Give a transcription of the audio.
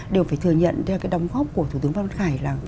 đều phải thừa nhận theo cái đóng góp của thủ tướng văn khải là